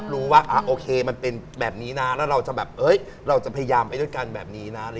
เราจะพยายามไปด้วยกันแบบนี้นะ